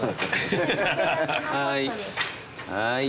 はい。